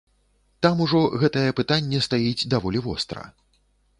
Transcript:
Там ужо гэтае пытанне стаіць даволі востра.